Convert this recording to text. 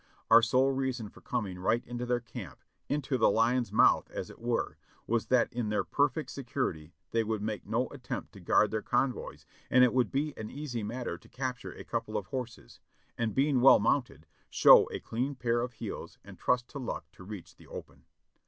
Our sole reason for coming right into their camp — into the lion's mouth, as it were — was that in their perfect security they would make no attempt to guard their convoys and it would be an easy matter to capture a couple of horses, and being well mounted, show a clean pair of heels and trust to luck to reach the open.